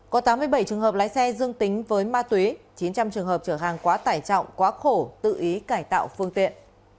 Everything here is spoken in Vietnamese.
có tám mươi bảy trường hợp lái xe dương tính với ma túy chín trăm linh trường hợp trở hàng quá tải trọng quá khổ tự ý cải tạo phương tiện